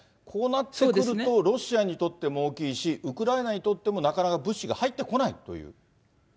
こうなってくると、ロシアにとっても大きいし、ウクライナにとっても、なかなか物資が入ってこないという。